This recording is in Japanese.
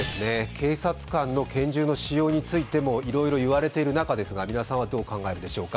警察官の拳銃の使用についてもいろいろ言われている中ですが皆さんはどう考えるでしょうか。